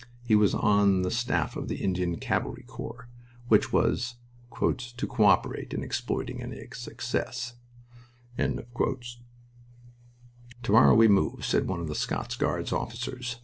He was on the staff of the Indian Cavalry Corps, which was "to co operate in exploiting any success." "To morrow we move," said one of the Scots Guards officers.